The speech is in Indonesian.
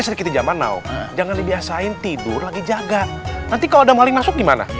seri kitty zaman jangan dibiasain tidur lagi jaga nanti kalau ada maling masuk gimana